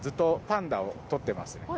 パンダを撮ってますね。